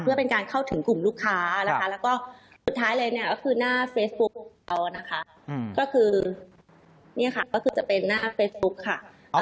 เพื่อเป็นการเข้าถึงกลุ่มลูกค้าแล้วก็สุดท้ายเลยก็คือหน้าเฟซบุ๊กก็คือจะเป็นหน้าเฟซบุ๊กค่ะ